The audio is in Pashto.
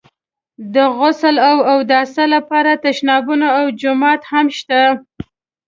د غسل او اوداسه لپاره تشنابونه او جومات هم شته.